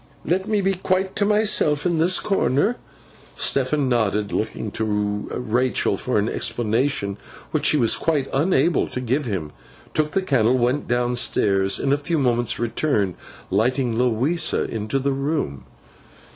'Let me be quite to myself in this corner.' Stephen nodded; looking to Rachael for an explanation, which she was quite unable to give him; took the candle, went downstairs, and in a few moments returned, lighting Louisa into the room.